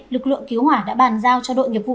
lực lượng cứu hỏa đã bàn giao cho đội nghiệp vụ